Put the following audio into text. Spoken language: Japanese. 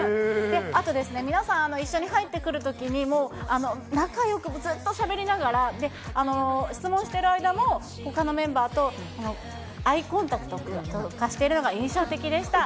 あと、皆さん、一緒に入ってくるときに、もう、仲よく、ずっとしゃべりながら、質問している間も、ほかのメンバーとアイコンタクトとかしてるのが印象的でした。